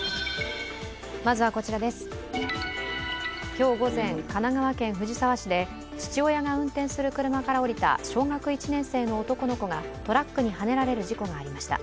今日午前、神奈川県藤沢市で父親が運転する車から降りた小学１年生の男の子がトラックにはねられる事故がありました。